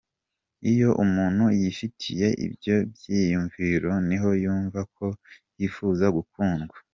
Iyo umuntu yifitiye ibyo byiyumviro niho yumva ko yifuza gukundwa.